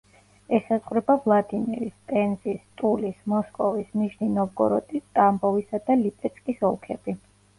ესაზღვრება ვლადიმირის, პენზის, ტულის, მოსკოვის, ნიჟნი-ნოვგოროდის, ტამბოვისა და ლიპეცკის ოლქები.